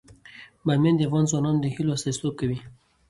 بامیان د افغان ځوانانو د هیلو استازیتوب کوي.